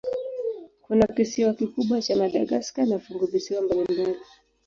Kuna kisiwa kikubwa cha Madagaska na funguvisiwa mbalimbali.